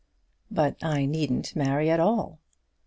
"But I needn't marry at all."